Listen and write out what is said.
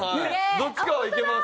どっちかはいけます。